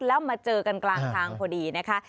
แล้วมาเจอกันกลางทางพอดีนะคะ